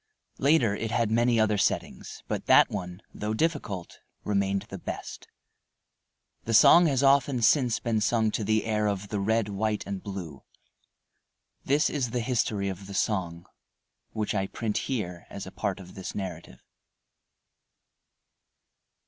Later, it had many other settings, but that one, though difficult, remained the best. The song has often since been sung to the air of "The Red, White, and Blue." This is the history of the song, which I print here as a part of this narrative.